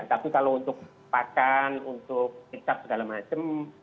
tapi kalau untuk pakan untuk kecap segala macam